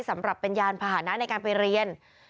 สำหรับเป็นยานพาหนะในการไปเรียน